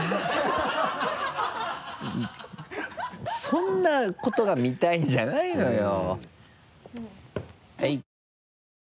そんなことが見たいんじゃないのよ。